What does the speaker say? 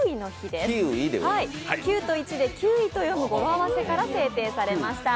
「９」と「１」で「キューイ」と読む語呂合わせから制定されました。